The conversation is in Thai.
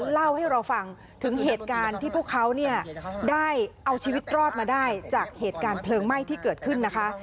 เล่าให้เราฟังถึงเหตุการณ์ที่พวกเขาเนี่ยได้เอาชีวิตรอดมาได้จากเหตุการณ์เพลิงไหม้ที่เกิดขึ้นนะคะ